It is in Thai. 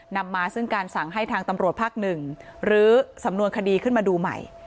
นำมาซึ่งการสั่งให้ทางตำรวจภาคหนึ่งลื้อสำนวนคดีขึ้นมาดูใหม่